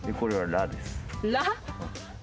「ラ」？